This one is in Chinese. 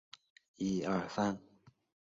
多做为下杂鱼处理。